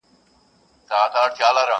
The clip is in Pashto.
ډېر شتمن دئ تل سمسوره او ښېراز دئ!.